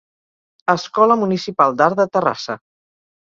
Escola Municipal d’Art de Terrassa.